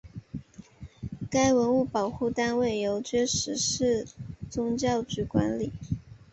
该文物保护单位由磐石市宗教局管理。